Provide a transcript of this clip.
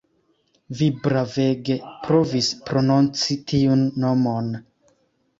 Vi bravege provis prononci tiun nomon